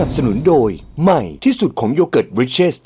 สนุนโดยใหม่ที่สุดของโยเกิร์ตบริเชส